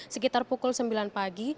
sekitar pukul sembilan pagi